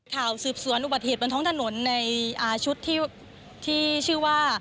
ข่าวสืบสวนอุบัติเหตุบนท้องถนนในชุดที่ชื่อว่า